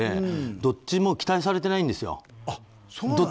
どっちも期待されてないんですよ。